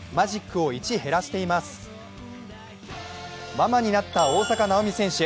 ママになった大坂なおみ選手。